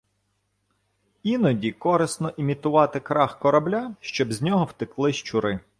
Іноді корисно імітувати крах корабля, щоб з нього втекли щури.